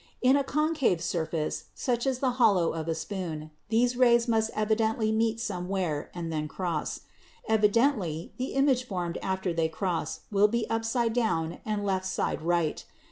In a concave surface, such as the hollow of a spoon, these rays must evidently meet some where and then cross. Evidently the image formed after they cross will be upside down and left side right.